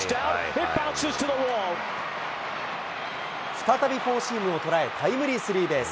再びフォーシームを捉えタイムリースリーベース。